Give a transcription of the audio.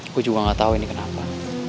gue juga gak tau ini kenapa